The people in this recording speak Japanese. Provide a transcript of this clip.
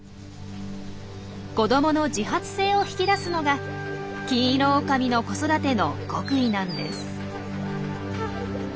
子どもの自発性を引き出すのがキンイロオオカミの子育ての極意なんです。